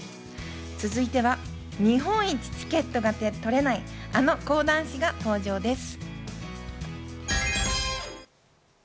続いては日本一チケットが取れない、あの講談師が登場です。